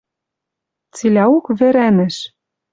Цилӓок вӹрӓнӹш...